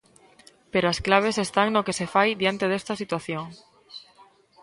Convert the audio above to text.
Pero as claves están no que se fai diante desta situación.